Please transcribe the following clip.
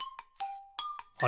あれ？